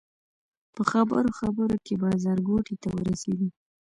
په خبرو خبرو کې بازارګوټي ته ورسېدو.